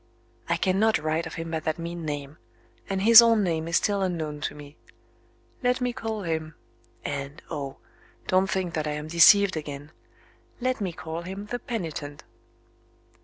I cannot write of him by that mean name; and his own name is still unknown to me. Let me call him and, oh, don't think that I am deceived again! let me call him the Penitent.